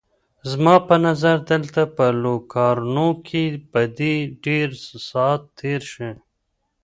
زما په نظر دلته په لوکارنو کې به دې ډېر ساعت تېر شي.